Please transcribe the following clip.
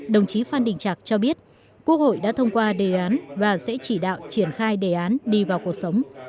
đồng chí phan đình trạc cho biết quốc hội đã thông qua đề án và sẽ chỉ đạo triển khai đề án đi vào cuộc sống